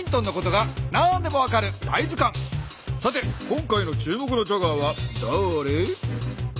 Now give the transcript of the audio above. さて今回の注目のチャガーはだれ？